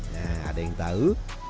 nah ada yang tahu